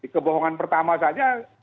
kebohongan pertama saja